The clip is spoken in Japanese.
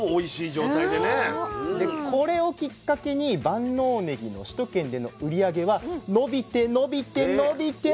でこれをきっかけに万能ねぎの首都圏での売り上げは伸びて伸びて伸びて。